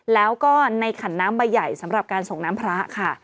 แล้วก็ในขันน้ำใบใหญ่สำหรับการส่งน้ำพระค่ะ